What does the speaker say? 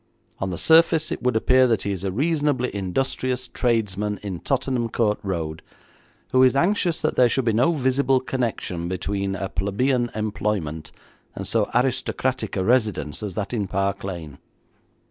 On the surface it would appear that he is a reasonably industrious tradesman in Tottenham Court Road, who is anxious that there should be no visible connection between a plebian employment and so aristocratic a residence as that in Park Lane.'